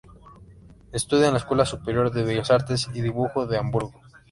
Estudia en la Escuela Superior de Bellas Artes y Dibujo de Hamburgo.